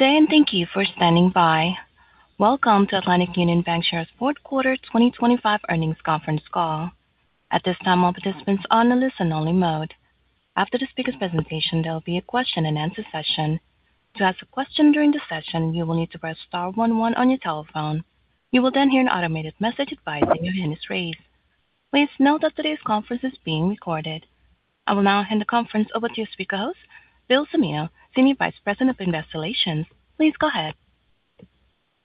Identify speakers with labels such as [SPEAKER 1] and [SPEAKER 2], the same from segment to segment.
[SPEAKER 1] Today, and thank you for standing by. Welcome to Atlantic Union Bankshares' Fourth Quarter 2025 Earnings Conference Call. At this time, all participants are on a listen-only mode. After the speaker's presentation, there will be a question-and-answer session. To ask a question during the session, you will need to press star one one on your telephone. You will then hear an automated message advising your hand is raised. Please note that today's conference is being recorded. I will now hand the conference over to your speaker host, Bill Cimino, Senior Vice President of Investor Relations. Please go ahead.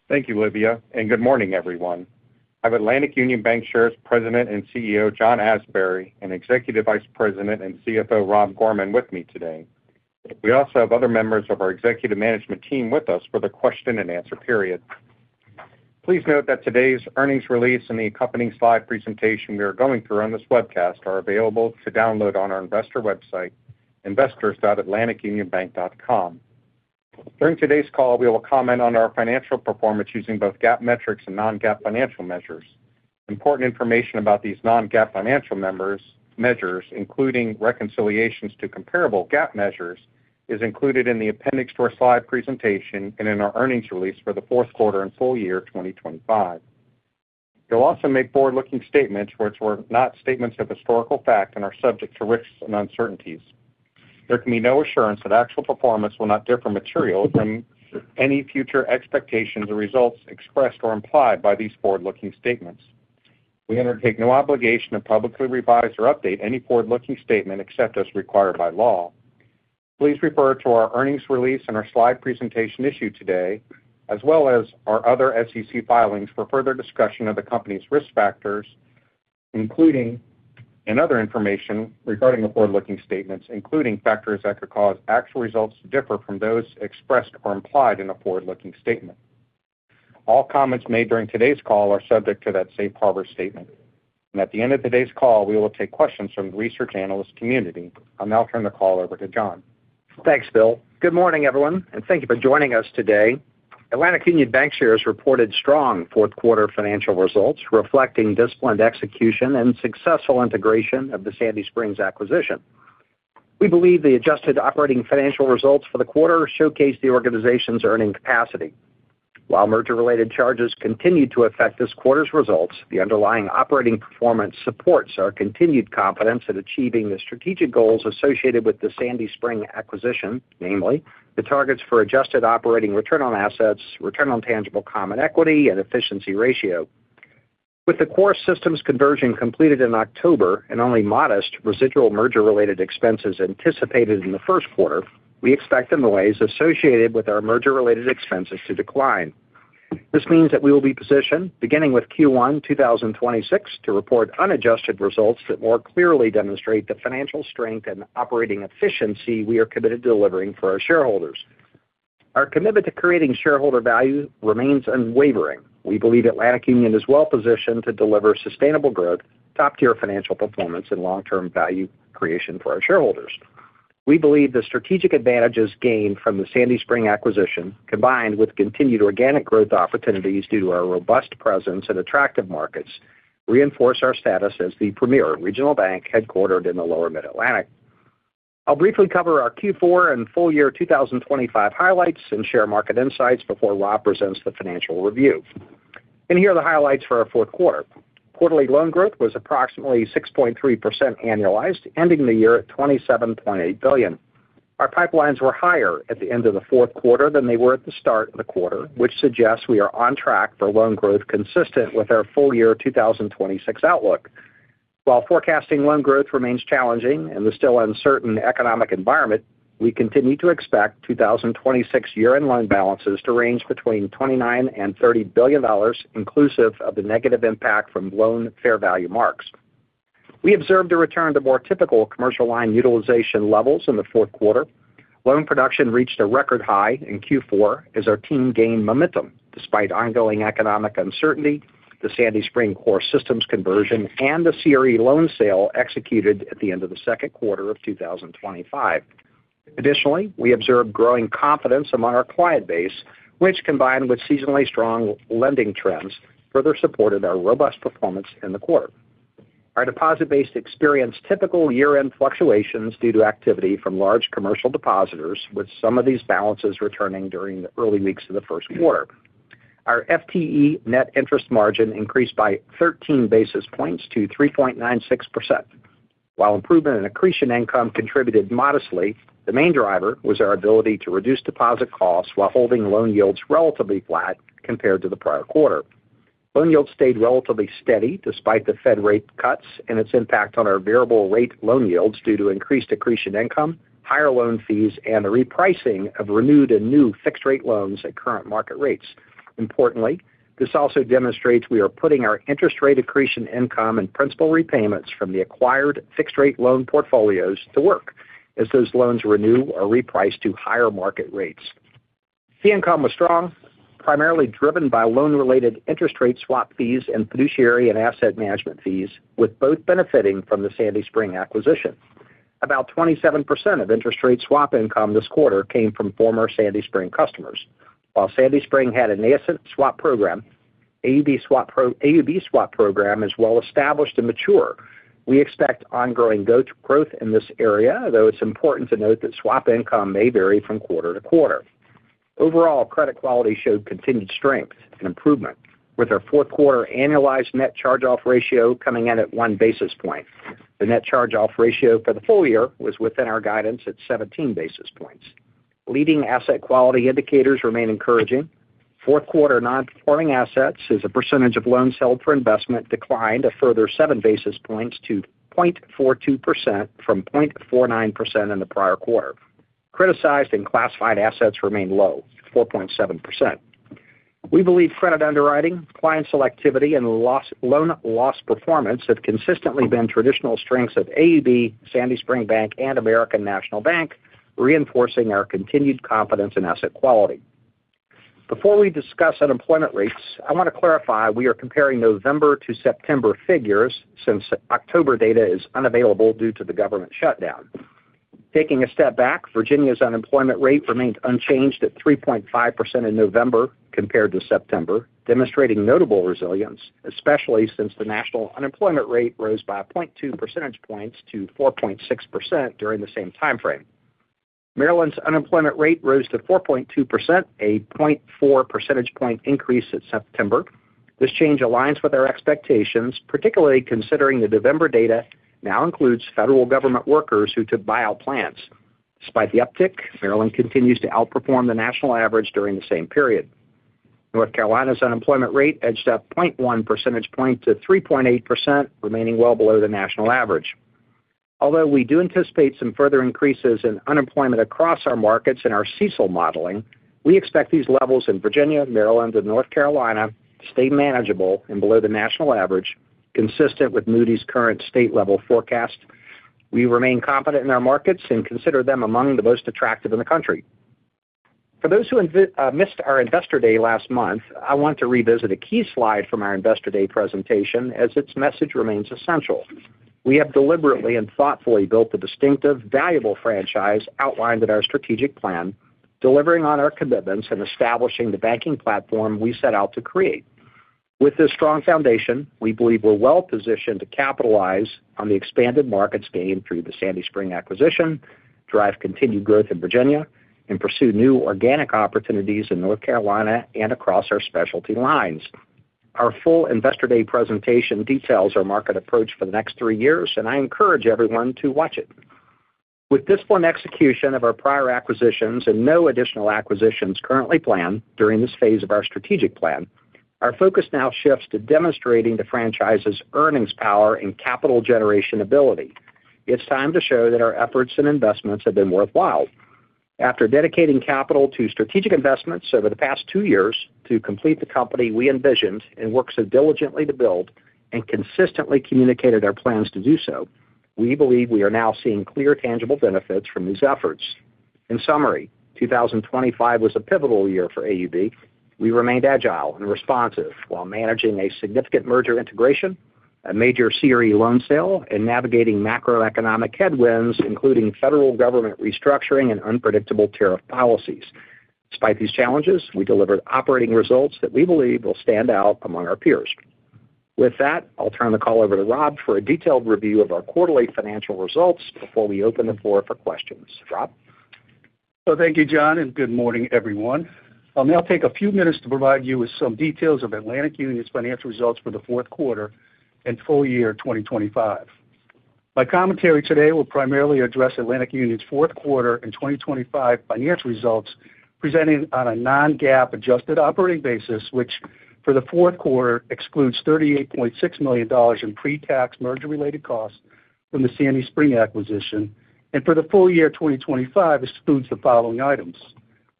[SPEAKER 2] Thank you, Olivia, and good morning, everyone. I have Atlantic Union Bankshares President and CEO John Asbury, and Executive Vice President and CFO Rob Gorman with me today. We also have other members of our executive management team with us for the question-and-answer period. Please note that today's earnings release and the accompanying slide presentation we are going through on this webcast are available to download on our investor website, investors.atlanticunionbank.com. During today's call, we will comment on our financial performance using both GAAP metrics and non-GAAP financial measures. Important information about these non-GAAP financial measures, including reconciliations to comparable GAAP measures, is included in the appendix to our slide presentation and in our earnings release for the fourth quarter and full year 2025. You'll also make forward-looking statements where it's not statements of historical fact and are subject to risks and uncertainties. There can be no assurance that actual performance will not differ materially from any future expectations or results expressed or implied by these forward-looking statements. We undertake no obligation to publicly revise or update any forward-looking statement except as required by law. Please refer to our earnings release and our slide presentation issued today, as well as our other SEC filings for further discussion of the company's risk factors, including, and other information regarding the forward-looking statements, including factors that could cause actual results to differ from those expressed or implied in a forward-looking statement. All comments made during today's call are subject to that safe harbor statement. At the end of today's call, we will take questions from the research analyst community. I'll now turn the call over to John.
[SPEAKER 3] Thanks, Bill. Good morning, everyone, and thank you for joining us today. Atlantic Union Bankshares reported strong fourth quarter financial results reflecting disciplined execution and successful integration of the Sandy Spring acquisition. We believe the adjusted operating financial results for the quarter showcase the organization's earning capacity. While merger-related charges continue to affect this quarter's results, the underlying operating performance supports our continued confidence in achieving the strategic goals associated with the Sandy Spring acquisition, namely the targets for adjusted operating return on assets, return on tangible common equity, and efficiency ratio. With the core systems conversion completed in October and only modest residual merger-related expenses anticipated in the first quarter, we expect the noise associated with our merger-related expenses to decline. This means that we will be positioned, beginning with Q1 2026, to report unadjusted results that more clearly demonstrate the financial strength and operating efficiency we are committed to delivering for our shareholders. Our commitment to creating shareholder value remains unwavering. We believe Atlantic Union is well positioned to deliver sustainable growth, top-tier financial performance, and long-term value creation for our shareholders. We believe the strategic advantages gained from the Sandy Spring acquisition, combined with continued organic growth opportunities due to our robust presence and attractive markets, reinforce our status as the premier regional bank headquartered in the lower Mid-Atlantic. I'll briefly cover our Q4 and full year 2025 highlights and share market insights before Rob presents the financial review. Here are the highlights for our fourth quarter. Quarterly loan growth was approximately 6.3% annualized, ending the year at $27.8 billion. Our pipelines were higher at the end of the fourth quarter than they were at the start of the quarter, which suggests we are on track for loan growth consistent with our full year 2026 outlook. While forecasting loan growth remains challenging in the still uncertain economic environment, we continue to expect 2026 year-end loan balances to range between $29 billion and $30 billion, inclusive of the negative impact from loan fair value marks. We observed a return to more typical commercial line utilization levels in the fourth quarter. Loan production reached a record high in Q4 as our team gained momentum despite ongoing economic uncertainty, the Sandy Spring core systems conversion, and the CRE loan sale executed at the end of the second quarter of 2025. Additionally, we observed growing confidence among our client base, which, combined with seasonally strong lending trends, further supported our robust performance in the quarter. Our deposit base experienced typical year-end fluctuations due to activity from large commercial depositors, with some of these balances returning during the early weeks of the first quarter. Our FTE net interest margin increased by 13 basis points to 3.96%. While improvement in accretion income contributed modestly, the main driver was our ability to reduce deposit costs while holding loan yields relatively flat compared to the prior quarter. Loan yields stayed relatively steady despite the Fed rate cuts and its impact on our variable-rate loan yields due to increased accretion income, higher loan fees, and the repricing of renewed and new fixed-rate loans at current market rates. Importantly, this also demonstrates we are putting our interest rate accretion income and principal repayments from the acquired fixed-rate loan portfolios to work as those loans renew or reprice to higher market rates. Fee income was strong, primarily driven by loan-related interest rate swap fees and fiduciary and asset management fees, with both benefiting from the Sandy Spring acquisition. About 27% of interest rate swap income this quarter came from former Sandy Spring customers. While Sandy Spring had a nascent swap program, the AUB swap program is well established and mature. We expect ongoing growth in this area, though it's important to note that swap income may vary from quarter to quarter. Overall, credit quality showed continued strength and improvement, with our fourth quarter annualized net charge-off ratio coming in at one basis point. The net charge-off ratio for the full year was within our guidance at 17 basis points. Leading asset quality indicators remain encouraging. Fourth quarter non-performing assets, as a percentage of loans held for investment, declined a further seven basis points to 0.42% from 0.49% in the prior quarter. Criticized and classified assets remained low at 4.7%. We believe credit underwriting, client selectivity, and loan loss performance have consistently been traditional strengths of AUB, Sandy Spring Bank, and American National Bank, reinforcing our continued confidence in asset quality. Before we discuss unemployment rates, I want to clarify we are comparing November to September figures since October data is unavailable due to the government shutdown. Taking a step back, Virginia's unemployment rate remained unchanged at 3.5% in November compared to September, demonstrating notable resilience, especially since the national unemployment rate rose by 0.2 percentage points to 4.6% during the same timeframe. Maryland's unemployment rate rose to 4.2%, a 0.4 percentage point increase in September. This change aligns with our expectations, particularly considering the November data now includes federal government workers who took buyout plans. Despite the uptick, Maryland continues to outperform the national average during the same period. North Carolina's unemployment rate edged up 0.1 percentage points to 3.8%, remaining well below the national average. Although we do anticipate some further increases in unemployment across our markets in our CECL modeling, we expect these levels in Virginia, Maryland, and North Carolina to stay manageable and below the national average, consistent with Moody's current state-level forecast. We remain confident in our markets and consider them among the most attractive in the country. For those who missed our Investor Day last month, I want to revisit a key slide from our Investor Day presentation, as its message remains essential. We have deliberately and thoughtfully built a distinctive, valuable franchise outlined in our strategic plan, delivering on our commitments and establishing the banking platform we set out to create. With this strong foundation, we believe we're well positioned to capitalize on the expanded markets gained through the Sandy Spring acquisition, drive continued growth in Virginia, and pursue new organic opportunities in North Carolina and across our specialty lines. Our full Investor Day presentation details our market approach for the next three years, and I encourage everyone to watch it. With disciplined execution of our prior acquisitions and no additional acquisitions currently planned during this phase of our strategic plan, our focus now shifts to demonstrating the franchise's earnings power and capital generation ability. It's time to show that our efforts and investments have been worthwhile. After dedicating capital to strategic investments over the past two years to complete the company we envisioned and worked so diligently to build and consistently communicated our plans to do so, we believe we are now seeing clear, tangible benefits from these efforts. In summary, 2025 was a pivotal year for AUB. We remained agile and responsive while managing a significant merger integration, a major CRE loan sale, and navigating macroeconomic headwinds, including Federal government restructuring and unpredictable tariff policies. Despite these challenges, we delivered operating results that we believe will stand out among our peers. With that, I'll turn the call over to Rob for a detailed review of our quarterly financial results before we open the floor for questions. Rob?
[SPEAKER 4] Thank you, John, and good morning, everyone. I'll now take a few minutes to provide you with some details of Atlantic Union's financial results for the fourth quarter and full year 2025. My commentary today will primarily address Atlantic Union's fourth quarter and 2025 financial results, presenting on a non-GAAP adjusted operating basis, which for the fourth quarter excludes $38.6 million in pre-tax merger-related costs from the Sandy Spring acquisition, and for the full year 2025 excludes the following items: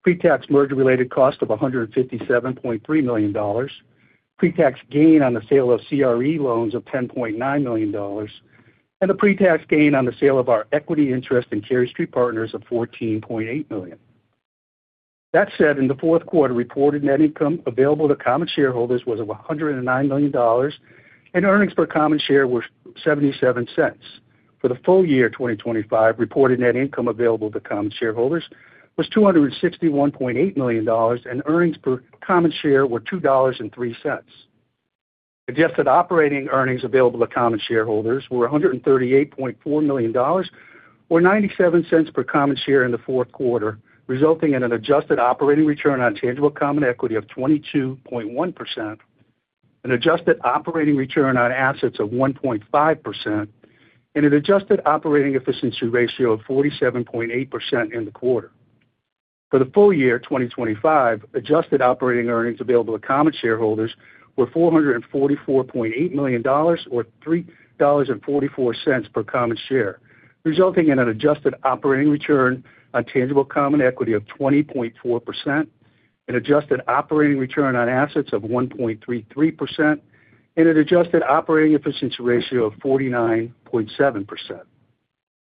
[SPEAKER 4] pre-tax merger-related cost of $157.3 million, pre-tax gain on the sale of CRE loans of $10.9 million, and the pre-tax gain on the sale of our equity interest in Cary Street Partners of $14.8 million. That said, in the fourth quarter, reported net income available to common shareholders was of $109 million, and earnings per common share were $0.77. For the full year 2025, reported net income available to common shareholders was $261.8 million, and earnings per common share were $2.03. Adjusted operating earnings available to common shareholders were $138.4 million, or $0.97 per common share in the fourth quarter, resulting in an adjusted operating return on tangible common equity of 22.1%, an adjusted operating return on assets of 1.5%, and an adjusted operating efficiency ratio of 47.8% in the quarter. For the full year 2025, adjusted operating earnings available to common shareholders were $444.8 million, or $3.44 per common share, resulting in an adjusted operating return on tangible common equity of 20.4%, an adjusted operating return on assets of 1.33%, and an adjusted operating efficiency ratio of 49.7%.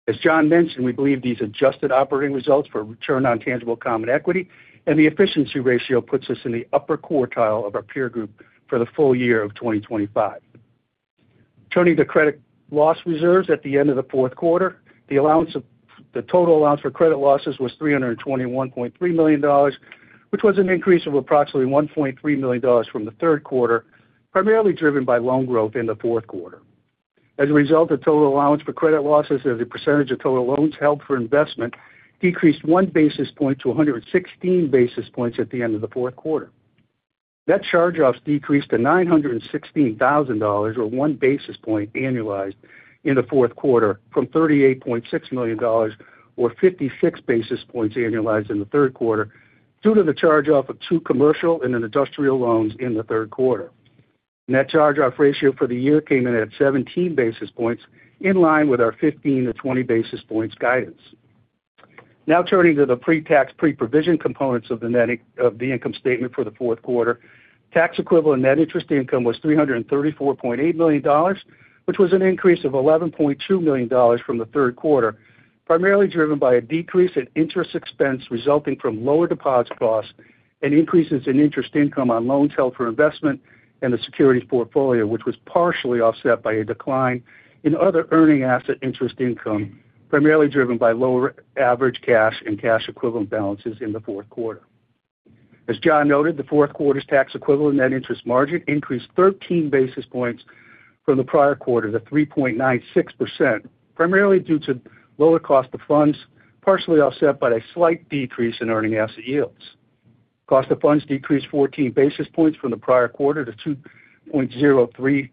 [SPEAKER 4] As John mentioned, we believe these adjusted operating results for return on tangible common equity and the efficiency ratio puts us in the upper quartile of our peer group for the full year of 2025. Turning to credit loss reserves at the end of the fourth quarter, the total allowance for credit losses was $321.3 million, which was an increase of approximately $1.3 million from the third quarter, primarily driven by loan growth in the fourth quarter. As a result, the total allowance for credit losses as a percentage of total loans held for investment decreased one basis point to 116 basis points at the end of the fourth quarter. Net charge-offs decreased to $916,000, or one basis point annualized in the fourth quarter, from $38.6 million, or 56 basis points annualized in the third quarter, due to the charge-off of two commercial and industrial loans in the third quarter. Net charge-off ratio for the year came in at 17 basis points, in line with our 15-20 basis points guidance. Now turning to the pre-tax pre-provision components of the income statement for the fourth quarter, tax equivalent net interest income was $334.8 million, which was an increase of $11.2 million from the third quarter, primarily driven by a decrease in interest expense resulting from lower deposit costs and increases in interest income on loans held for investment and the securities portfolio, which was partially offset by a decline in other earning asset interest income, primarily driven by lower average cash and cash equivalent balances in the fourth quarter. As John noted, the fourth quarter's tax equivalent net interest margin increased 13 basis points from the prior quarter to 3.96%, primarily due to lower cost of funds, partially offset by a slight decrease in earning asset yields. Cost of funds decreased 14 basis points from the prior quarter to 2.03%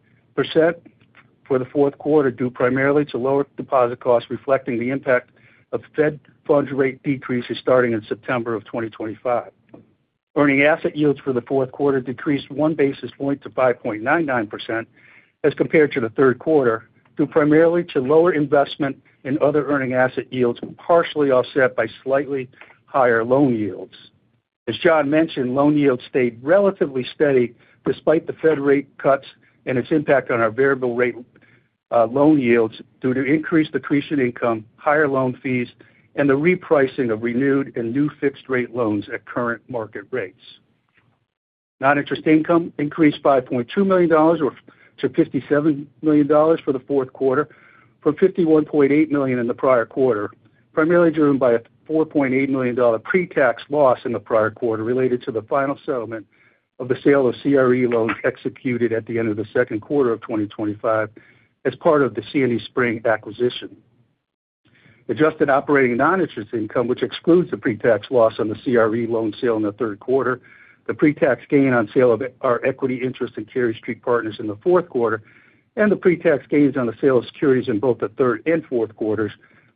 [SPEAKER 4] for the fourth quarter, due primarily to lower deposit costs reflecting the impact of Fed funds rate decreases starting in September of 2025. Earning asset yields for the fourth quarter decreased one basis point to 5.99% as compared to the third quarter, due primarily to lower investment and other earning asset yields, partially offset by slightly higher loan yields. As John mentioned, loan yields stayed relatively steady despite the Fed rate cuts and its impact on our variable-rate loan yields due to increased accretion income, higher loan fees, and the repricing of renewed and new fixed-rate loans at current market rates. Non-interest income increased $5.2 million, or to $57 million for the fourth quarter, from $51.8 million in the prior quarter, primarily driven by a $4.8 million pre-tax loss in the prior quarter related to the final settlement of the sale of CRE loans executed at the end of the second quarter of 2025 as part of the Sandy Spring acquisition. Adjusted operating non-interest income, which excludes the pre-tax loss on the CRE loan sale in the third quarter, the pre-tax gain on sale of our equity interest in Cary Street Partners in the fourth quarter, and the pre-tax gains on the sale of securities in both the third and fourth quarters,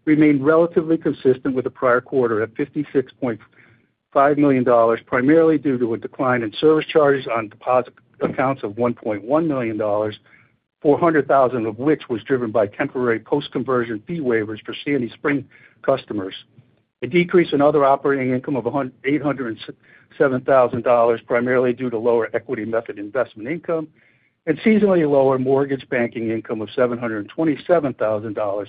[SPEAKER 4] remained relatively consistent with the prior quarter at $56.5 million, primarily due to a decline in service charges on deposit accounts of $1.1 million, $400,000 of which was driven by temporary post-conversion fee waivers for Sandy Spring customers, A decrease in other operating income of $807,000, primarily due to lower equity method investment income, and seasonally lower mortgage banking income of $727,000,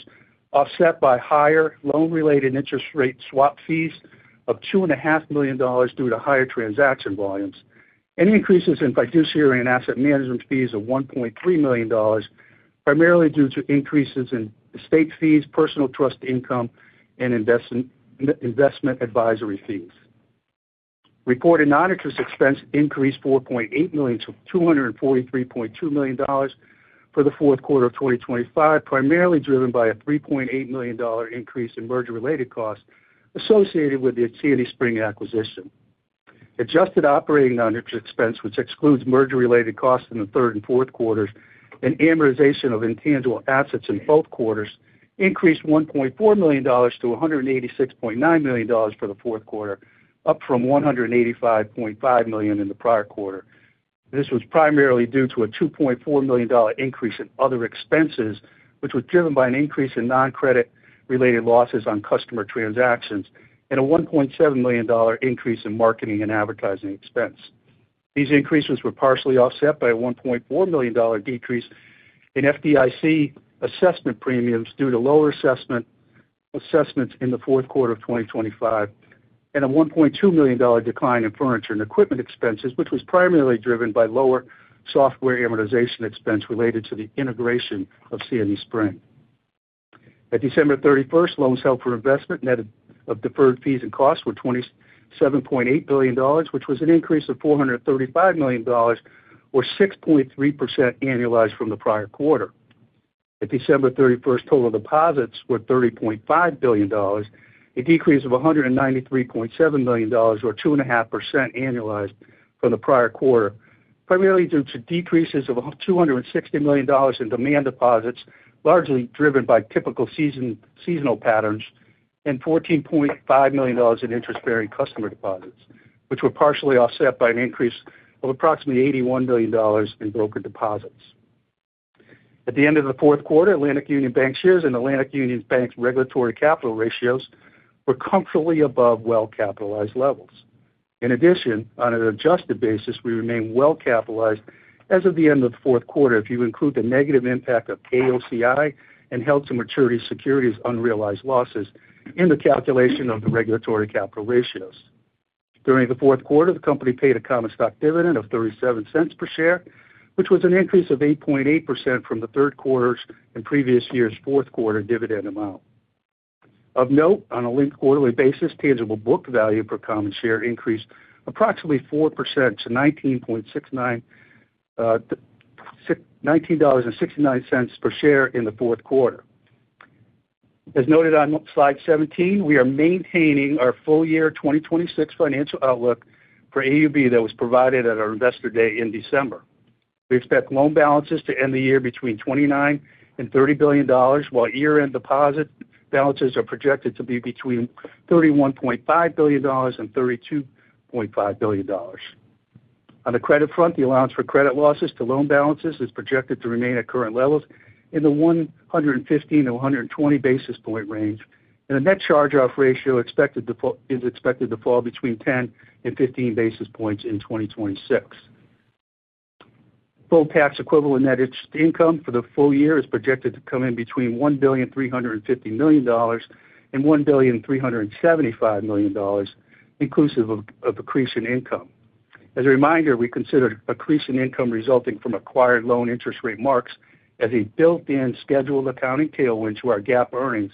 [SPEAKER 4] offset by higher loan-related interest rate swap fees of $2.5 million due to higher transaction volumes, and increases in fiduciary and asset management fees of $1.3 million, primarily due to increases in estate fees, personal trust income, and investment advisory fees. Reported non-interest expense increased $4.8 million-$243.2 million for the fourth quarter of 2025, primarily driven by a $3.8 million increase in merger-related costs associated with the Sandy Spring acquisition. Adjusted operating non-interest expense, which excludes merger-related costs in the third and fourth quarters, and amortization of intangible assets in both quarters, increased $1.4 million-$186.9 million for the fourth quarter, up from $185.5 million in the prior quarter. This was primarily due to a $2.4 million increase in other expenses, which was driven by an increase in non-credit-related losses on customer transactions and a $1.7 million increase in marketing and advertising expense. These increases were partially offset by a $1.4 million decrease in FDIC assessment premiums due to lower assessments in the fourth quarter of 2025, and a $1.2 million decline in furniture and equipment expenses, which was primarily driven by lower software amortization expense related to the integration of Sandy Spring. At December 31st, loans held for investment net of deferred fees and costs were $27.8 billion, which was an increase of $435 million, or 6.3% annualized from the prior quarter. At December 31st, total deposits were $30.5 billion, a decrease of $193.7 million, or 2.5% annualized from the prior quarter, primarily due to decreases of $260 million in demand deposits, largely driven by typical seasonal patterns, and $14.5 million in interest-bearing customer deposits, which were partially offset by an increase of approximately $81 million in brokered deposits. At the end of the fourth quarter, Atlantic Union Bankshares and Atlantic Union Bank's regulatory capital ratios were comfortably above well-capitalized levels. In addition, on an adjusted basis, we remain well-capitalized as of the end of the fourth quarter, if you include the negative impact of AOCI and held-to-maturity securities' unrealized losses in the calculation of the regulatory capital ratios. During the fourth quarter, the company paid a common stock dividend of $0.37 per share, which was an increase of 8.8% from the third quarter's and previous year's fourth quarter dividend amount. Of note, on a quarterly basis, tangible book value for common share increased approximately 4% to $19.69 per share in the fourth quarter. As noted on Slide 17, we are maintaining our full year 2026 financial outlook for AUB that was provided at our Investor Day in December. We expect loan balances to end the year between $29 billion and $30 billion, while year-end deposit balances are projected to be between $31.5 billion and $32.5 billion. On the credit front, the allowance for credit losses to loan balances is projected to remain at current levels in the 115-120 basis point range, and the net charge-off ratio is expected to fall between 10 and 15 basis points in 2026. Fully taxable equivalent net interest income for the full year is projected to come in between $1.35 billion and $1.375 billion, inclusive of accretion income. As a reminder, we consider accretion income resulting from acquired loan interest rate marks as a built-in scheduled accounting tailwind to our GAAP earnings,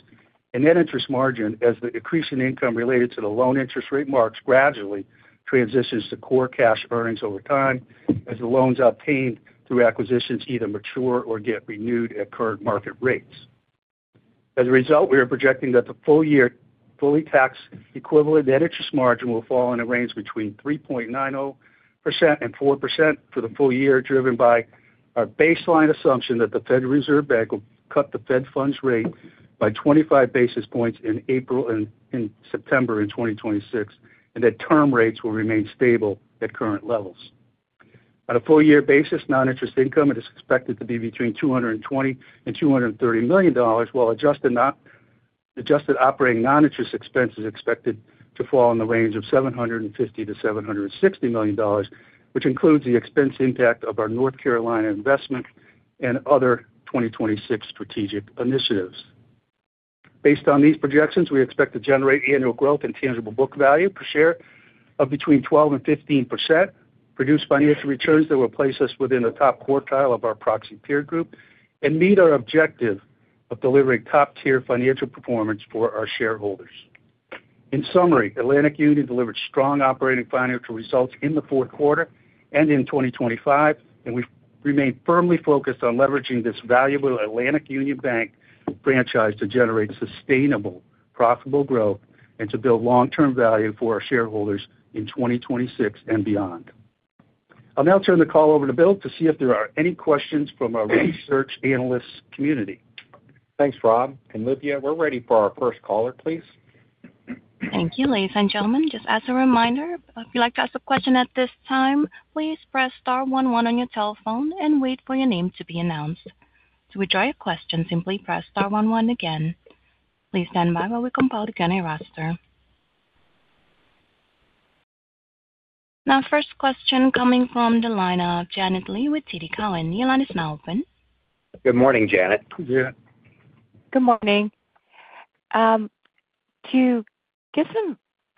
[SPEAKER 4] and net interest margin as the accretion income related to the loan interest rate marks gradually transitions to core cash earnings over time as the loans obtained through acquisitions either mature or get renewed at current market rates. As a result, we are projecting that the full year fully taxable equivalent net interest margin will fall in a range between 3.90% and 4% for the full year, driven by our baseline assumption that the Federal Reserve Bank will cut the Fed funds rate by 25 basis points in September in 2026, and that term rates will remain stable at current levels. On a full year basis, non-interest income is expected to be between $220 million-$230 million, while adjusted operating non-interest expense is expected to fall in the range of $750 million-$760 million, which includes the expense impact of our North Carolina investment and other 2026 strategic initiatives. Based on these projections, we expect to generate annual growth in tangible book value per share of between 12%-15%, produce financial returns that will place us within the top quartile of our proxy peer group, and meet our objective of delivering top-tier financial performance for our shareholders. In summary, Atlantic Union delivered strong operating financial results in the fourth quarter and in 2025, and we remain firmly focused on leveraging this valuable Atlantic Union Bank franchise to generate sustainable, profitable growth, and to build long-term value for our shareholders in 2026 and beyond. I'll now turn the call over to Bill to see if there are any questions from our research analyst community.
[SPEAKER 2] Thanks, Rob. And Lydia, we're ready for our first caller, please.
[SPEAKER 1] Thank you, ladies and gentlemen. Just as a reminder, if you'd like to ask a question at this time, please press star one one on your telephone and wait for your name to be announced. To withdraw your question, simply press star one one again. Please stand by while we compile the Q&A roster. Now, first question coming from the line of Janet Lee with TD Cowen. The line is now open.
[SPEAKER 4] Good morning, Janet.
[SPEAKER 5] Good morning. I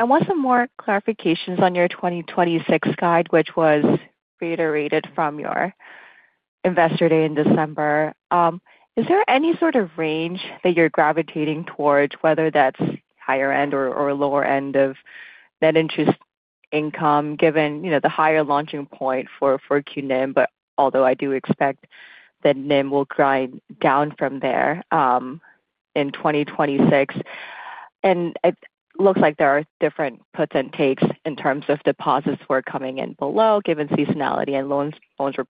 [SPEAKER 5] want some more clarifications on your 2026 guide, which was reiterated from your Investor Day in December. Is there any sort of range that you're gravitating towards, whether that's higher end or lower end of net interest income, given the higher launching point for QNIM, but although I do expect that NIM will grind down from there in 2026, and it looks like there are different puts and takes in terms of deposits who are coming in below, given seasonality and loans were a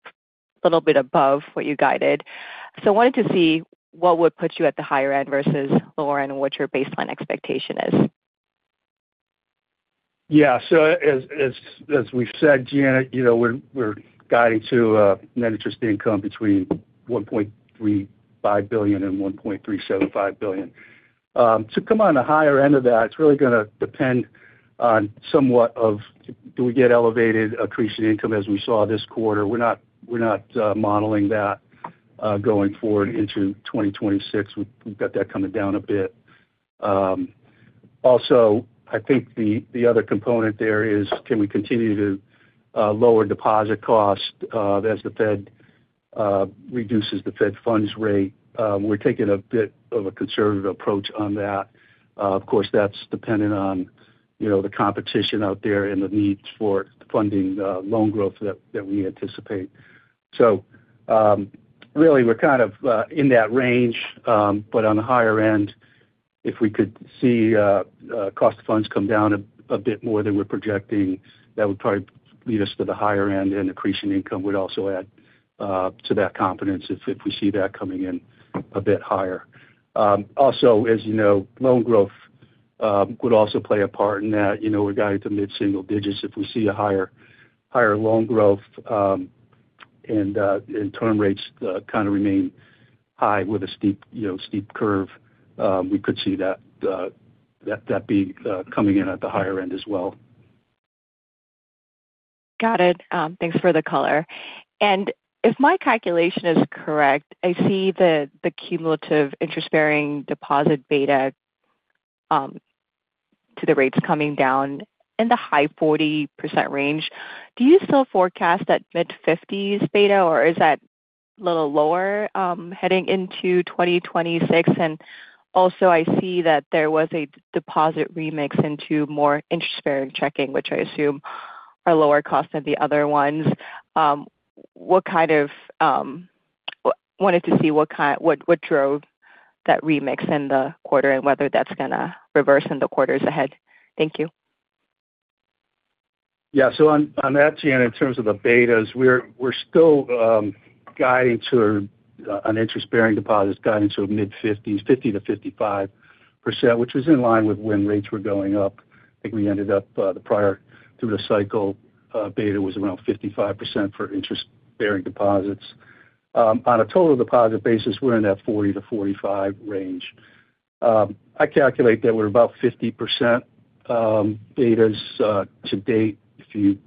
[SPEAKER 5] little bit above what you guided, so I wanted to see what would put you at the higher end versus lower end, what your baseline expectation is.
[SPEAKER 4] Yeah, so as we've said, Janet, we're guiding to net interest income between $1.35 billion and $1.375 billion. To come on the higher end of that, it's really going to depend on somewhat of do we get elevated accretion income as we saw this quarter. We're not modeling that going forward into 2026. We've got that coming down a bit. Also, I think the other component there is, can we continue to lower deposit costs as the Fed reduces the Fed funds rate? We're taking a bit of a conservative approach on that. Of course, that's dependent on the competition out there and the need for funding loan growth that we anticipate. So really, we're kind of in that range, but on the higher end, if we could see cost of funds come down a bit more than we're projecting, that would probably lead us to the higher end, and accretion income would also add to that confidence if we see that coming in a bit higher. Also, as you know, loan growth would also play a part in that. We're guiding to mid-single digits if we see a higher loan growth, and term rates kind of remain high with a steep curve. We could see that being coming in at the higher end as well.
[SPEAKER 5] Got it. Thanks for the color. And if my calculation is correct, I see the cumulative interest-bearing deposit beta to the rates coming down in the high 40% range. Do you still forecast that mid-50s beta, or is that a little lower heading into 2026? And also, I see that there was a deposit remix into more interest-bearing checking, which I assume are lower cost than the other ones. I wanted to see what drove that remix in the quarter and whether that's going to reverse in the quarters ahead. Thank you.
[SPEAKER 4] Yeah. So on that, Janet, in terms of the betas, we're still guiding to an interest-bearing deposit guiding to mid-50s, 50%-55%, which was in line with when rates were going up. I think we ended up the prior through the cycle, beta was around 55% for interest-bearing deposits. On a total deposit basis, we're in that 40%-45% range. I calculate that we're about 50% betas to date if you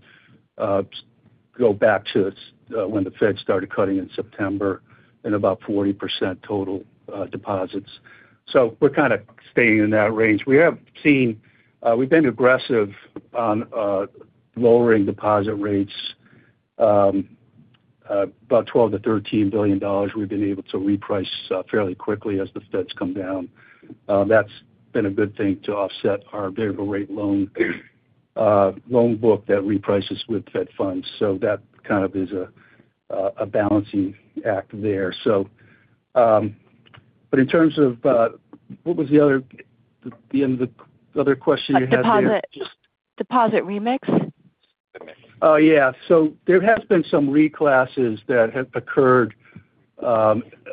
[SPEAKER 4] go back to when the Fed started cutting in September and about 40% total deposits. So we're kind of staying in that range. We have seen we've been aggressive on lowering deposit rates. About $12 billion-$13 billion, we've been able to reprice fairly quickly as the Fed's come down. That's been a good thing to offset our variable rate loan book that reprices with Fed funds. So that kind of is a balancing act there. But in terms of what was the other question you had there?
[SPEAKER 5] The deposit remix?
[SPEAKER 4] Oh, yeah. So there has been some reclasses that have occurred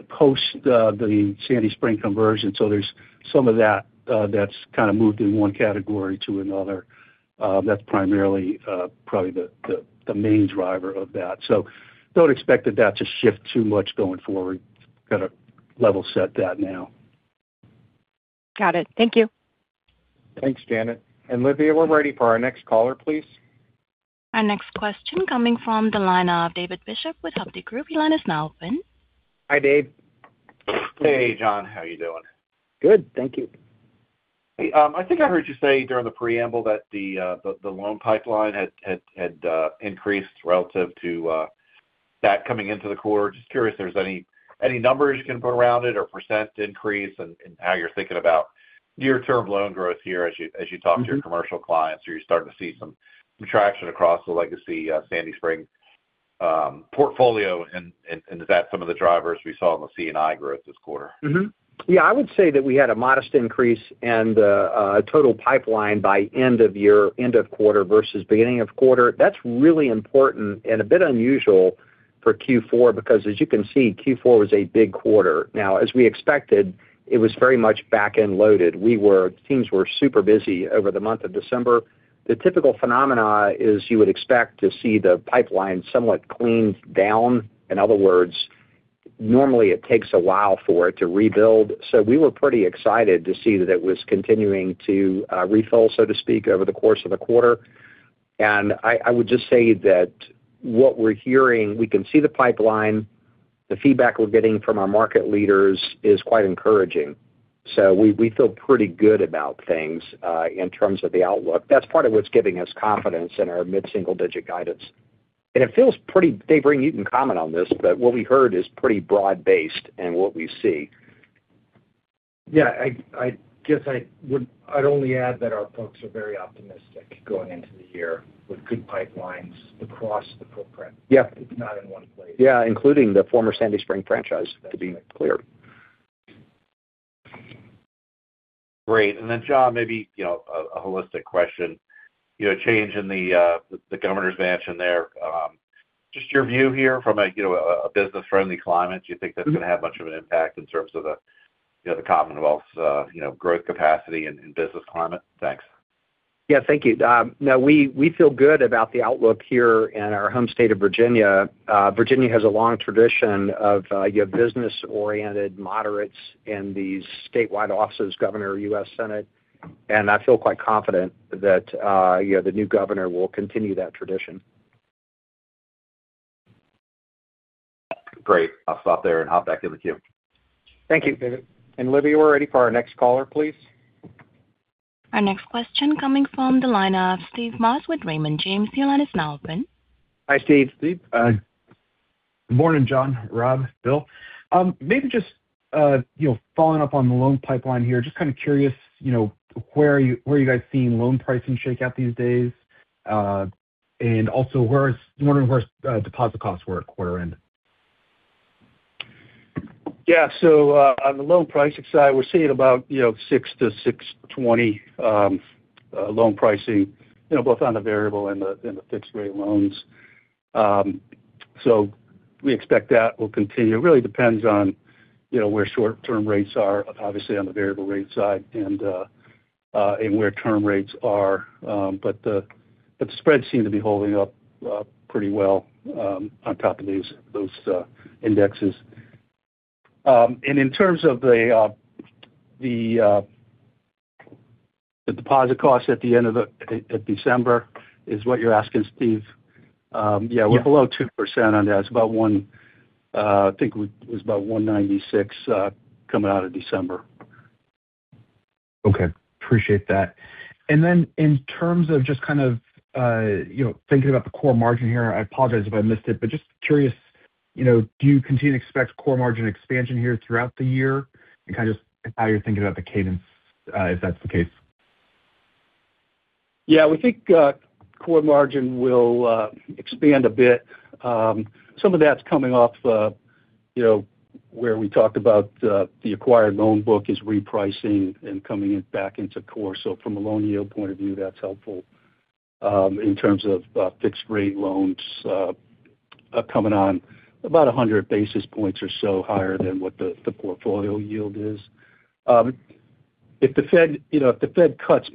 [SPEAKER 4] post the Sandy Spring conversion. So there's some of that that's kind of moved in one category to another. That's primarily probably the main driver of that. So don't expect that that to shift too much going forward. Kind of level set that now.
[SPEAKER 5] Got it. Thank you.
[SPEAKER 2] Thanks, Janet. And Lydia, we're ready for our next caller, please.
[SPEAKER 1] Our next question coming from the line of David Bishop with Hovde Group. Your line is now open.
[SPEAKER 3] Hi, Dave.
[SPEAKER 6] Hey, John. How are you doing?
[SPEAKER 3] Good. Thank you.
[SPEAKER 6] I think I heard you say during the preamble that the loan pipeline had increased relative to that coming into the quarter. Just curious if there's any numbers you can put around it or percent increase and how you're thinking about near-term loan growth here as you talk to your commercial clients, or you're starting to see some traction across the legacy Sandy Spring portfolio, and is that some of the drivers we saw in the C&I growth this quarter?
[SPEAKER 3] Yeah. I would say that we had a modest increase in the total pipeline by end of year, end of quarter versus beginning of quarter. That's really important and a bit unusual for Q4 because, as you can see, Q4 was a big quarter. Now, as we expected, it was very much back-end loaded. Teams were super busy over the month of December. The typical phenomenon is you would expect to see the pipeline somewhat cleaned down. In other words, normally it takes a while for it to rebuild. So we were pretty excited to see that it was continuing to refill, so to speak, over the course of the quarter. And I would just say that what we're hearing, we can see the pipeline. The feedback we're getting from our market leaders is quite encouraging. So we feel pretty good about things in terms of the outlook. That's part of what's giving us confidence in our mid-single digit guidance. And it feels pretty. Dave Ring, you can comment on this, but what we heard is pretty broad-based in what we see.
[SPEAKER 7] Yeah. I guess I'd only add that our folks are very optimistic going into the year with good pipelines across the footprint. It's not in one place.
[SPEAKER 3] Yeah, including the former Sandy Spring franchise, to be clear.
[SPEAKER 6] Great. And then, John, maybe a holistic question. Change in the governor's mansion there. Just your view here from a business-friendly climate, do you think that's going to have much of an impact in terms of the Commonwealth's growth capacity and business climate? Thanks.
[SPEAKER 3] Yeah. Thank you. No, we feel good about the outlook here in our home state of Virginia. Virginia has a long tradition of business-oriented moderates in these statewide offices, governor, U.S. Senate. And I feel quite confident that the new governor will continue that tradition.
[SPEAKER 6] Great. I'll stop there and hop back in the queue.
[SPEAKER 2] Thank you, David. And Lydia, we're ready for our next caller, please.
[SPEAKER 1] Our next question coming from the line of Steve Moss with Raymond James. Your line is now open.
[SPEAKER 3] Hi, Steve.
[SPEAKER 8] Good morning, John, Rob, Bill. Maybe just following up on the loan pipeline here, just kind of curious where are you guys seeing loan pricing shake out these days, and also wondering where deposit costs were at quarter end.
[SPEAKER 4] Yeah. So on the loan pricing side, we're seeing about 6%-6.20% loan pricing, both on the variable and the fixed-rate loans. So we expect that will continue. It really depends on where short-term rates are, obviously, on the variable rate side and where term rates are. But the spreads seem to be holding up pretty well on top of those indexes. And in terms of the deposit costs at the end of December, is what you're asking, Steve? Yeah. We're below 2% on that. It's about one, I think it was about 1.96% coming out of December.
[SPEAKER 8] Okay. Appreciate that. And then in terms of just kind of thinking about the core margin here, I apologize if I missed it, but just curious, do you continue to expect core margin expansion here throughout the year and kind of just how you're thinking about the cadence, if that's the case?
[SPEAKER 4] Yeah. We think core margin will expand a bit. Some of that's coming off where we talked about the acquired loan book is repricing and coming back into core. So from a loan yield point of view, that's helpful in terms of fixed-rate loans coming on about 100 basis points or so higher than what the portfolio yield is. If the Fed cuts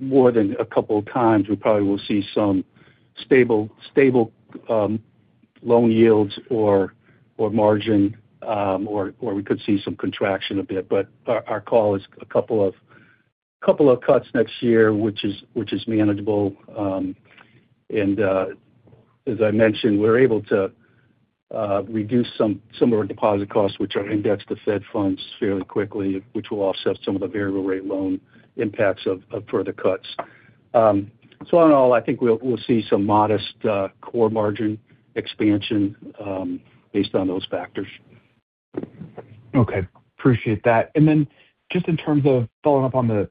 [SPEAKER 4] more than a couple of times, we probably will see some stable loan yields or margin, or we could see some contraction a bit. But our call is a couple of cuts next year, which is manageable. And as I mentioned, we're able to reduce some of our deposit costs, which are indexed to Fed funds fairly quickly, which will offset some of the variable rate loan impacts of further cuts. So all in all, I think we'll see some modest core margin expansion based on those factors.
[SPEAKER 8] Okay. Appreciate that. And then just in terms of following up on the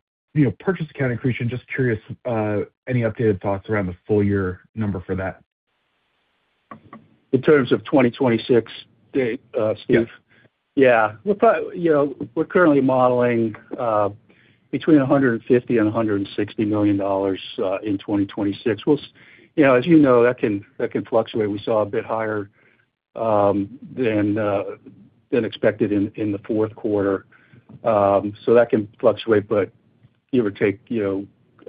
[SPEAKER 8] purchase accounting accretion, just curious any updated thoughts around the full year number for that?
[SPEAKER 4] In terms of 2026, Dave, Steve?
[SPEAKER 8] Yeah.
[SPEAKER 4] We're currently modeling between $150 million-$160 million in 2026. As you know, that can fluctuate. We saw a bit higher than expected in the fourth quarter. So that can fluctuate, but give or take,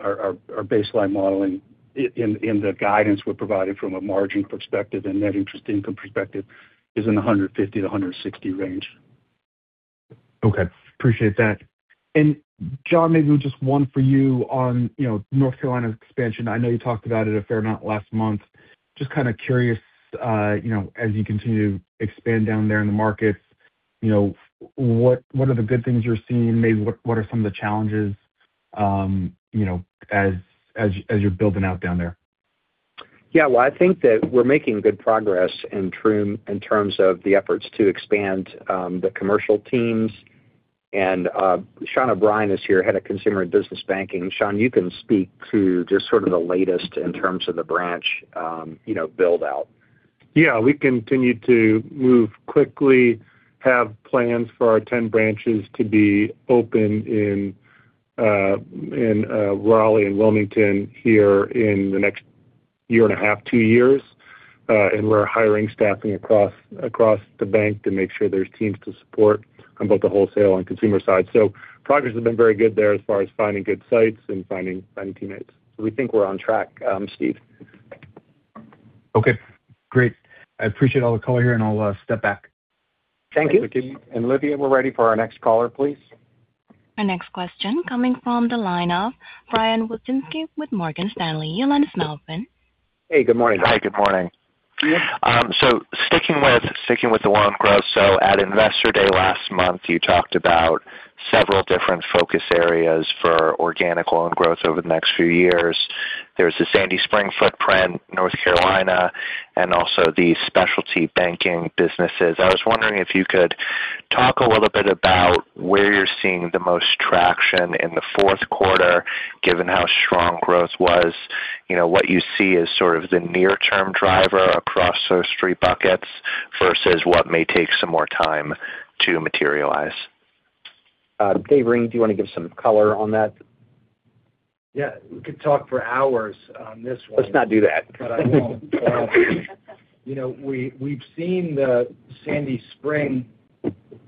[SPEAKER 4] our baseline modeling and the guidance we're providing from a margin perspective and net interest income perspective is in the $150 million-$160 million range.
[SPEAKER 8] Okay. Appreciate that. And John, maybe just one for you on North Carolina's expansion. I know you talked about it a fair amount last month. Just kind of curious, as you continue to expand down there in the markets, what are the good things you're seeing? Maybe what are some of the challenges as you're building out down there?
[SPEAKER 3] Yeah. Well, I think that we're making good progress in terms of the efforts to expand the commercial teams. And Shawn O'Brien is here, head of consumer and business banking. Shawn, you can speak to just sort of the latest in terms of the branch build-out.
[SPEAKER 9] Yeah. We continue to move quickly, have plans for our 10 branches to be open in Raleigh and Wilmington here in the next year and a half, two years. And we're hiring staffing across the bank to make sure there's teams to support on both the wholesale and consumer side. So progress has been very good there as far as finding good sites and finding teammates. So we think we're on track, Steve.
[SPEAKER 8] Okay. Great. I appreciate all the color here, and I'll step back.
[SPEAKER 2] Thank you. And Lydia, we're ready for our next caller, please.
[SPEAKER 1] Our next question coming from the line of Brian Wodzinski with Morgan Stanley. Your line is now open.
[SPEAKER 3] Hey. Good morning.
[SPEAKER 10] Hi. Good morning. So sticking with the loan growth, so at Investor Day last month, you talked about several different focus areas for organic loan growth over the next few years. There's the Sandy Spring footprint, North Carolina, and also the specialty banking businesses. I was wondering if you could talk a little bit about where you're seeing the most traction in the fourth quarter, given how strong growth was. What you see as sort of the near-term driver across those three buckets versus what may take some more time to materialize?
[SPEAKER 3] Dave Ring, do you want to give some color on that?
[SPEAKER 7] Yeah. We could talk for hours on this one. Let's not do that. But we've seen the Sandy Spring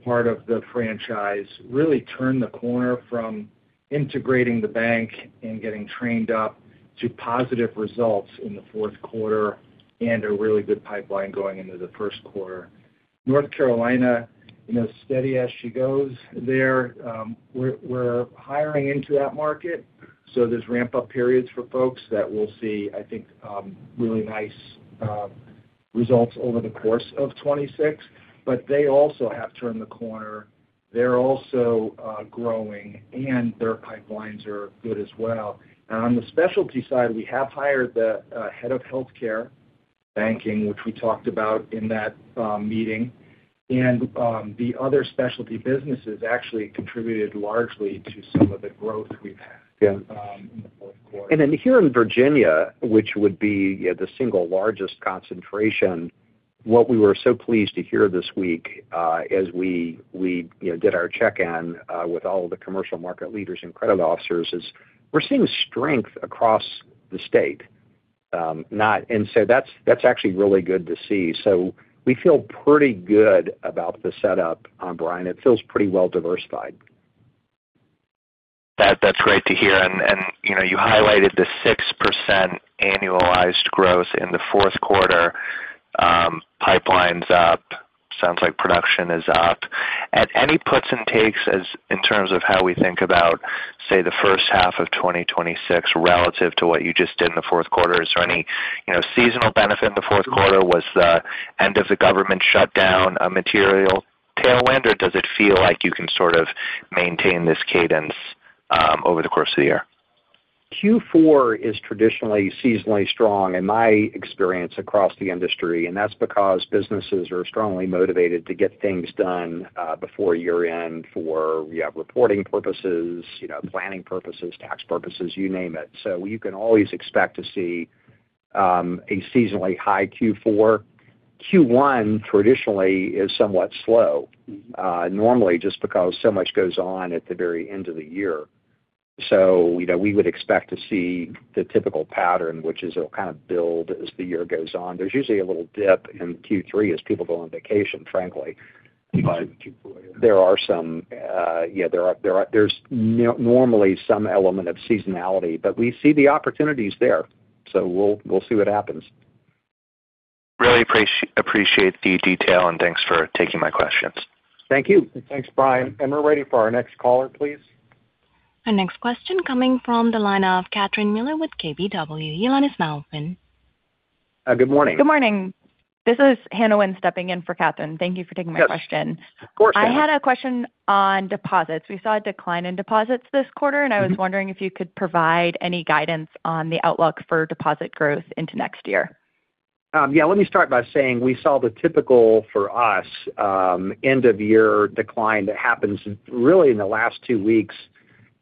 [SPEAKER 7] part of the franchise really turn the corner from integrating the bank and getting trained up to positive results in the fourth quarter and a really good pipeline going into the first quarter. North Carolina, steady as she goes there. We're hiring into that market. So there's ramp-up periods for folks that we'll see, I think, really nice results over the course of 2026. But they also have turned the corner. They're also growing, and their pipelines are good as well. And on the specialty side, we have hired the head of healthcare banking, which we talked about in that meeting. And the other specialty businesses actually contributed largely to some of the growth we've had in the fourth quarter. And then here in Virginia, which would be the single largest concentration, what we were so pleased to hear this week as we did our check-in with all of the commercial market leaders and credit officers is we're seeing strength across the state. And so that's actually really good to see. So we feel pretty good about the setup, O'Brien. It feels pretty well diversified.
[SPEAKER 10] That's great to hear. And you highlighted the 6% annualized growth in the fourth quarter. Pipeline's up. Sounds like production is up. Any puts and takes in terms of how we think about, say, the first half of 2026 relative to what you just did in the fourth quarter? Is there any seasonal benefit in the fourth quarter? Was the end of the government shutdown a material tailwind, or does it feel like you can sort of maintain this cadence over the course of the year?
[SPEAKER 3] Q4 is traditionally seasonally strong in my experience across the industry, and that's because businesses are strongly motivated to get things done before year-end for reporting purposes, planning purposes, tax purposes, you name it. So you can always expect to see a seasonally high Q4. Q1 traditionally is somewhat slow, normally just because so much goes on at the very end of the year. So we would expect to see the typical pattern, which is it'll kind of build as the year goes on. There's usually a little dip in Q3 as people go on vacation, frankly. But there are some, yeah, there's normally some element of seasonality, but we see the opportunities there. So we'll see what happens.
[SPEAKER 10] Really appreciate the detail, and thanks for taking my questions.
[SPEAKER 3] Thank you.
[SPEAKER 2] Thanks, Brian. And we're ready for our next caller, please.
[SPEAKER 1] Our next question coming from the line of Catherine Mealor with KBW. Your line is now open.
[SPEAKER 3] Good morning.
[SPEAKER 11] Good morning. This is Hannah Wynn stepping in for Catherine. Thank you for taking my question. Of course. I had a question on deposits. We saw a decline in deposits this quarter, and I was wondering if you could provide any guidance on the outlook for deposit growth into next year.
[SPEAKER 3] Yeah. Let me start by saying we saw the typical, for us, end-of-year decline that happens really in the last two weeks,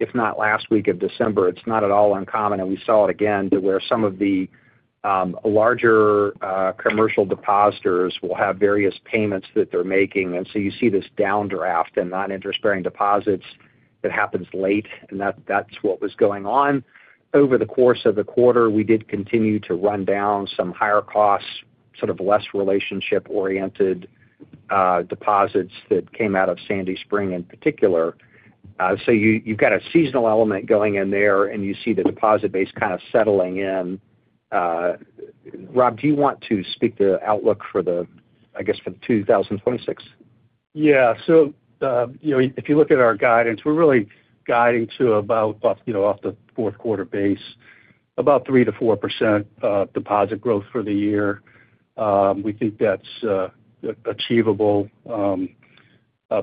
[SPEAKER 3] if not last week of December. It's not at all uncommon, and we saw it again to where some of the larger commercial depositors will have various payments that they're making, and so you see this downdraft in non-interest-bearing deposits that happens late, and that's what was going on. Over the course of the quarter, we did continue to run down some higher-cost, sort of less relationship-oriented deposits that came out of Sandy Spring in particular. So you've got a seasonal element going in there, and you see the deposit base kind of settling in. Rob, do you want to speak to the outlook for the, I guess, for the 2026?
[SPEAKER 4] Yeah. So if you look at our guidance, we're really guiding to about, off the fourth quarter base, about 3%-4% deposit growth for the year. We think that's achievable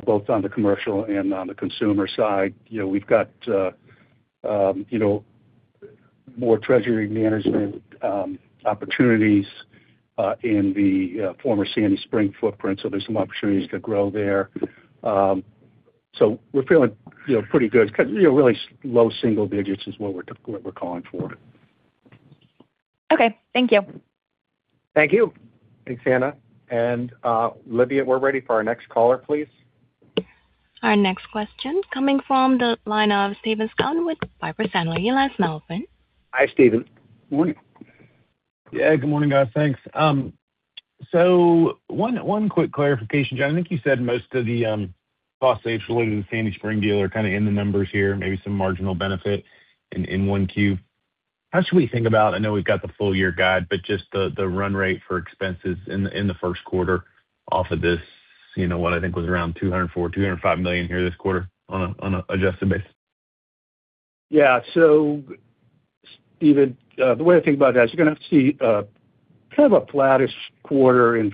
[SPEAKER 4] both on the commercial and on the consumer side. We've got more treasury management opportunities in the former Sandy Spring footprint, so there's some opportunities to grow there. So we're feeling pretty good because really low single digits is what we're calling for.
[SPEAKER 11] Okay. Thank you.
[SPEAKER 2] Thank you. Thanks, Hannah. And Lydia, we're ready for our next caller, please.
[SPEAKER 1] Our next question coming from the line of Stephen Scouten with Piper Sandler. Your line is now open.
[SPEAKER 3] Hi, Stephen. Good morning.
[SPEAKER 12] Yeah. Good morning, guys. Thanks. So one quick clarification, John. I think you said most of the cost savings related to the Sandy Spring deal are kind of in the numbers here, maybe some marginal benefit in 1Q. How should we think about, I know we've got the full year guide, but just the run rate for expenses in the first quarter off of this, what I think was around $204 million-$205 million here this quarter on an adjusted base?
[SPEAKER 3] Yeah. So Stephen, the way I think about it is you're going to see kind of a flattish quarter in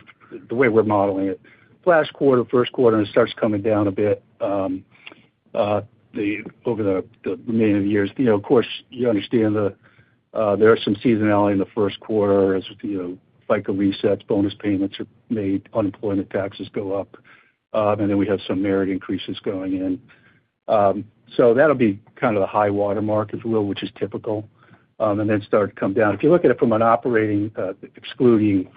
[SPEAKER 3] the way we're modeling it. Flattish quarter, first quarter, and it starts coming down a bit over the remainder of the year. Of course, you understand there are some seasonality in the first quarter as FICA resets, bonus payments are made, unemployment taxes go up, and then we have some merit increases going in. So that'll be kind of the high watermark, if you will, which is typical, and then start to come down. If you look at it from an operating, excluding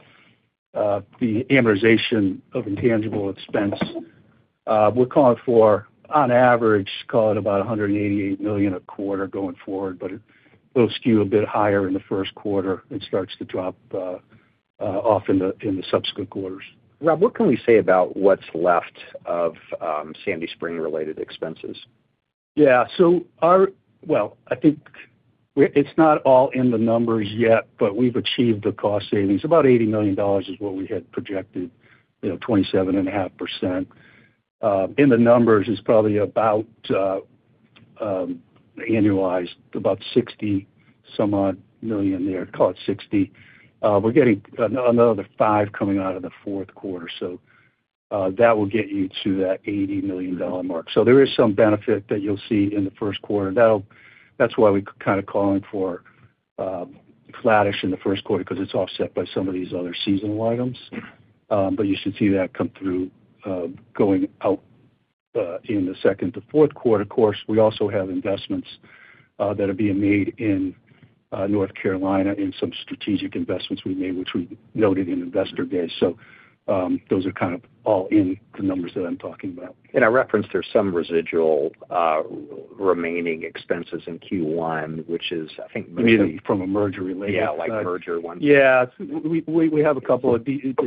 [SPEAKER 3] the amortization of intangible expense, we're calling for, on average, call it about $188 million a quarter going forward, but it will skew a bit higher in the first quarter and starts to drop off in the subsequent quarters. Rob, what can we say about what's left of Sandy Spring-related expenses?
[SPEAKER 4] Yeah. So well, I think it's not all in the numbers yet, but we've achieved the cost savings. About $80 million is what we had projected, 27.5%. In the numbers, it's probably about annualized about $60-some-odd million there. Call it 60. We're getting another $5 million coming out of the fourth quarter. So that will get you to that $80 million mark. So there is some benefit that you'll see in the first quarter. That's why we're kind of calling for flattish in the first quarter because it's offset by some of these other seasonal items. But you should see that come through going out in the second to fourth quarter. Of course, we also have investments that are being made in North Carolina and some strategic investments we made, which we noted in Investor Day. So those are kind of all in the numbers that I'm talking about. And I referenced there's some residual remaining expenses in Q1, which is, I think, maybe from a merger related.
[SPEAKER 12] Yeah. Like merger ones.
[SPEAKER 4] Yeah. We have a couple of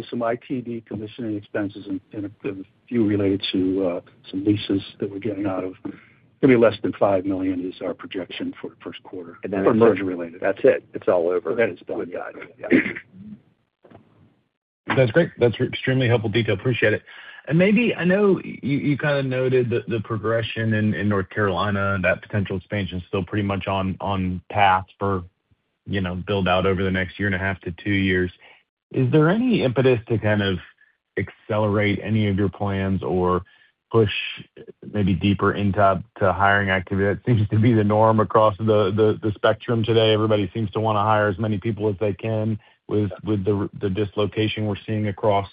[SPEAKER 4] some IT decommissioning expenses and a few related to some leases that we're getting out of. It's going to be less than $5 million is our projection for the first quarter for merger related. That's it. It's all over. That is the whole guide. Yeah.
[SPEAKER 12] That's great. That's extremely helpful detail. Appreciate it. And maybe I know you kind of noted the progression in North Carolina, that potential expansion is still pretty much on path for build-out over the next year and a half to two years. Is there any impetus to kind of accelerate any of your plans or push maybe deeper into hiring activity? That seems to be the norm across the spectrum today. Everybody seems to want to hire as many people as they can with the dislocation we're seeing across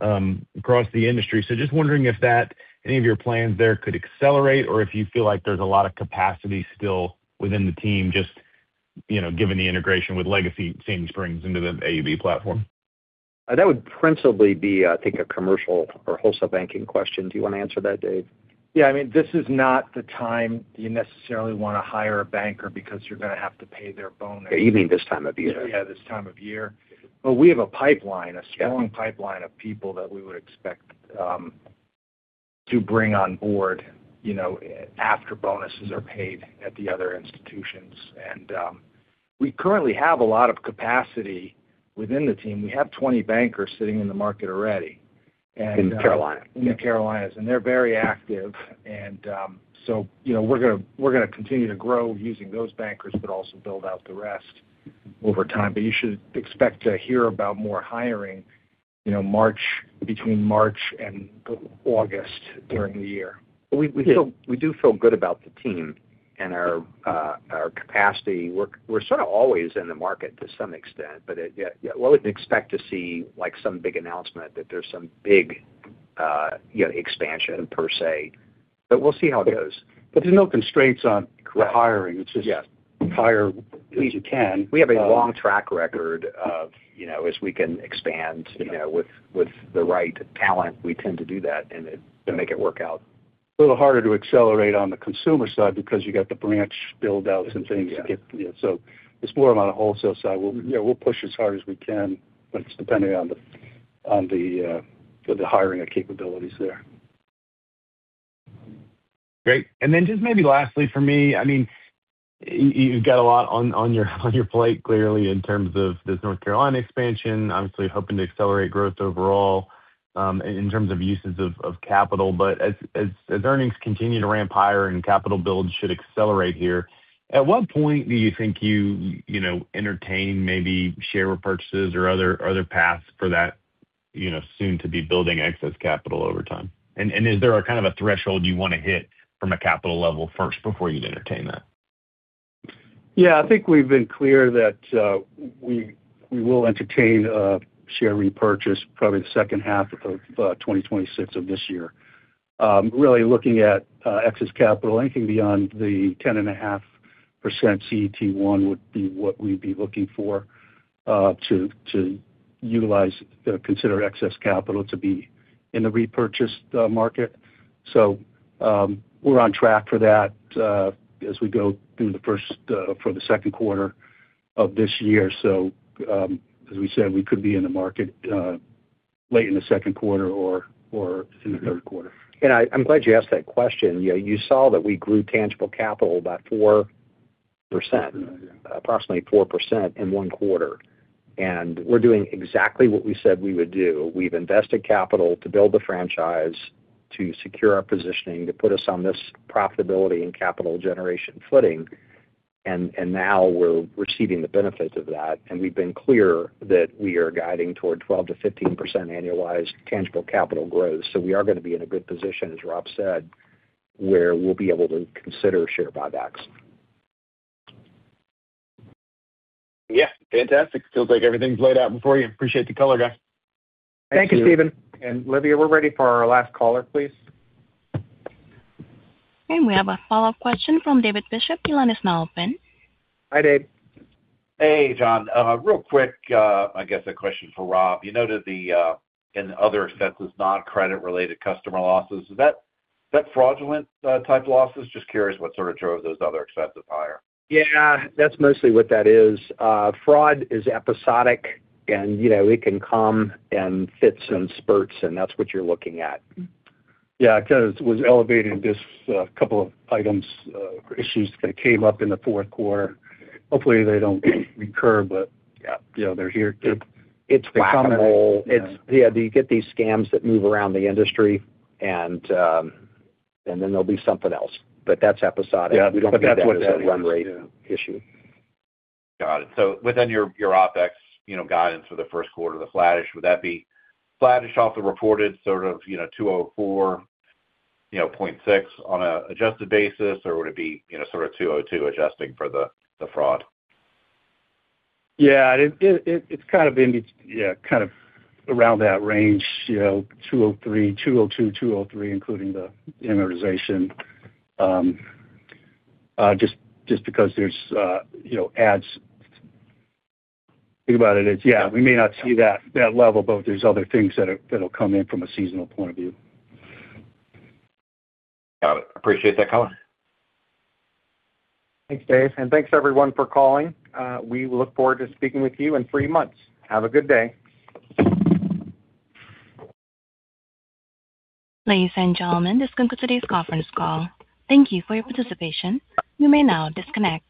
[SPEAKER 12] the industry. So just wondering if any of your plans there could accelerate or if you feel like there's a lot of capacity still within the team, just given the integration with legacy Sandy Spring into the AUB platform.
[SPEAKER 3] That would principally be, I think, a commercial or wholesale banking question. Do you want to answer that, Dave? Yeah.
[SPEAKER 7] I mean, this is not the time you necessarily want to hire a banker because you're going to have to pay their bonus.
[SPEAKER 3] Yeah. You mean this time of year.
[SPEAKER 7] Yeah. This time of year. But we have a pipeline, a strong pipeline of people that we would expect to bring on board after bonuses are paid at the other institutions. And we currently have a lot of capacity within the team. We have 20 bankers sitting in the market already. In Carolina. In the Carolinas. And they're very active. And so we're going to continue to grow using those bankers, but also build out the rest over time. But you should expect to hear about more hiring between March and August during the year. We do feel good about the team and our capacity. We're sort of always in the market to some extent, but I wouldn't expect to see some big announcement that there's some big expansion per se. But we'll see how it goes. But there's no constraints on hiring. It's just hire as you can. We have a long track record of, as we can expand with the right talent, we tend to do that and make it work out. A little harder to accelerate on the consumer side because you got the branch build-outs and things to get. So it's more on the wholesale side. We'll push as hard as we can, but it's depending on the hiring of capabilities there.
[SPEAKER 12] Great. And then just maybe lastly for me, I mean, you've got a lot on your plate clearly in terms of this North Carolina expansion. Obviously, hoping to accelerate growth overall in terms of uses of capital. But as earnings continue to ramp higher and capital builds should accelerate here, at what point do you think you entertain maybe share purchases or other paths for that soon to be building excess capital over time? And is there kind of a threshold you want to hit from a capital level first before you entertain that?
[SPEAKER 4] Yeah. I think we've been clear that we will entertain a share repurchase probably the second half of 2026 of this year. Really looking at excess capital, anything beyond the 10.5% CET1 would be what we'd be looking for to utilize, consider excess capital to be in the repurchase market. So we're on track for that as we go through the first or the second quarter of this year. So as we said, we could be in the market late in the second quarter or in the third quarter.
[SPEAKER 3] And I'm glad you asked that question. You saw that we grew tangible capital by 4%, approximately 4% in one quarter. And we're doing exactly what we said we would do. We've invested capital to build the franchise, to secure our positioning, to put us on this profitability and capital generation footing. And now we're receiving the benefit of that. And we've been clear that we are guiding toward 12%-15% annualized tangible capital growth. So we are going to be in a good position, as Rob said, where we'll be able to consider share buybacks.
[SPEAKER 12] Yeah. Fantastic. Feels like everything's laid out before you. Appreciate the color, guys.
[SPEAKER 2] Thank you, Stephen. And Lydia, we're ready for our last caller, please.
[SPEAKER 1] And we have a follow-up question from David Bishop. Your line is now open.
[SPEAKER 6] Hi, Dave. Hey, John. Real quick, I guess a question for Rob. You noted the other expenses, non-credit-related customer losses. Is that fraudulent-type losses? Just curious what sort of drove those other expenses higher.
[SPEAKER 4] Yeah. That's mostly what that is. Fraud is episodic, and it can come in fits and spurts, and that's what you're looking at. Yeah. It was elevated in just a couple of items or issues that came up in the fourth quarter. Hopefully, they don't recur, but yeah, they're here. It's becoming - yeah, do you get these scams that move around the industry? And then there'll be something else. But that's episodic. We don't think that's a run rate issue.
[SPEAKER 6] Got it. So within your OpEx guidance for the first quarter, the flattish, would that be flattish off the reported sort of 204.6 on an adjusted basis, or would it be sort of 202 adjusting for the fraud?
[SPEAKER 3] Yeah. It's kind of in kind of around that range, 203, 202, 203, including the amortization. Just because there's ads, think about it. Yeah. We may not see that level, but there's other things that'll come in from a seasonal point of view.
[SPEAKER 6] Got it. Appreciate that, color.
[SPEAKER 2] Thanks, Dave. And thanks, everyone, for calling. We will look forward to speaking with you in three months. Have a good day.
[SPEAKER 1] Ladies and gentlemen, this concludes today's conference call. Thank you for your participation. You may now disconnect.